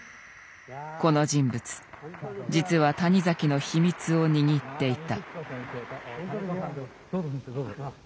この人物実は谷崎の秘密を握っていた。